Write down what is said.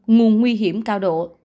nguồn nguy hiểm cao độ